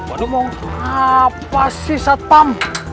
apa sih satpam